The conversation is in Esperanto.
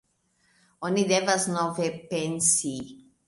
Oni devas nove pensi.